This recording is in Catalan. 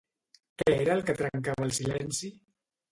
Què era el que trencava el silenci?